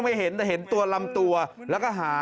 ถึงไหมอู้ววววววโห้โห้